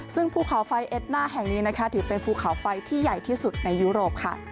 ซึ่งภูเขาไฟเอ็ดน่าแห่งนี้นะคะถือเป็นภูเขาไฟที่ใหญ่ที่สุดในยุโรปค่ะ